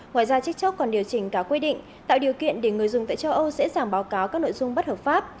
ngoài ra tiktok còn điều chỉnh cả quy định tạo điều kiện để người dùng tại châu âu dễ dàng báo cáo các nội dung bất hợp pháp